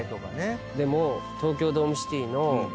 でも東京ドームシティの子供たちが。